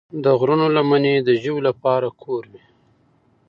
د غرونو لمنې د ژویو لپاره کور وي.